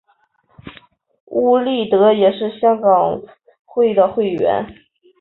邬励德也是香港会的会员。